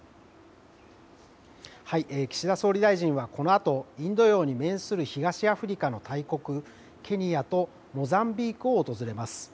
岸田総理大臣はこのあと、インド洋に面する東アフリカの大国、ケニアとモザンビークを訪れます。